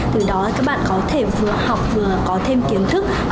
từ đó các bạn có thể vừa học vừa có thêm kiến thức